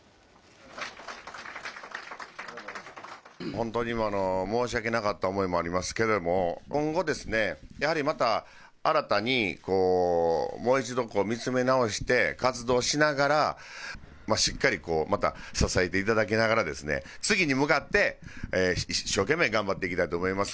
本当に、申し訳なかった思いもありますけれども、今後、やはりまた新たに、もう一度見つめ直して活動しながら、しっかりこう、また支えていただきながらですね、次に向かって、一生懸命頑張っていきたいと思います。